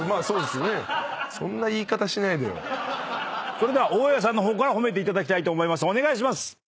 それでは大家さんの方から褒めていただきたいと思います。